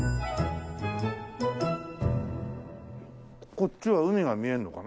こっちは海が見えるのかな？